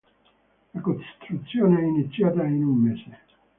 La costruzione è iniziata in un mese.